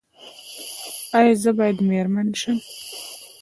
ایا زه باید میرمن شم؟